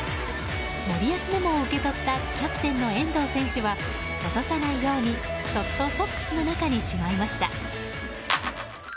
森保メモを受け取ったキャプテンの遠藤選手は落とさないようにそっとソックスの中にしまいました。